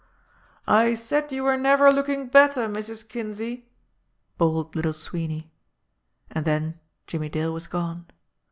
"I said you were never looking better, Mrs. Kinsey!" bawled Little Sweeney. And then Jimmie Dale was gone.